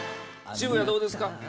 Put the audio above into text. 渋谷どうですか？